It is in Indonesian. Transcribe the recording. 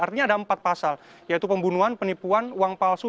artinya ada empat pasal yaitu pembunuhan penipuan uang palsu